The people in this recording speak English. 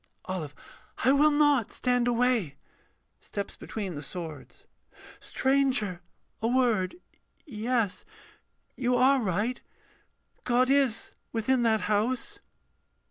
OLIVE. I will not stand away! [Steps between the swords.] Stranger, a word, Yes you are right God is within that house.